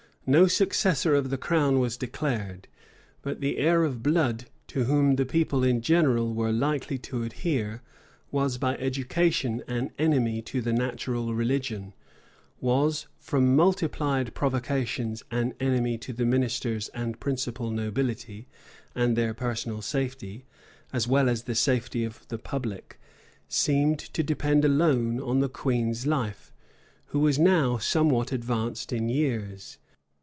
No successor of the crown was declared; but the heir of blood, to whom the people in general were likely to adhere, was, by education, an enemy to the national religion; was, from multiplied provocations, an enemy to the ministers and principal nobility; and their personal safety, as well as the safety of the public, seemed to depend alone on the queen's life, who was now somewhat advanced in years.